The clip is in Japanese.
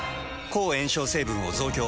抗炎症成分を増強。